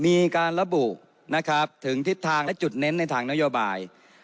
มีการระบุนะครับถึงทิศทางและจุดเน้นในทางนโยบาย